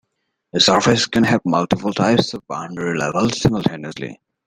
A surface can have multiple types of boundary layer simultaneously.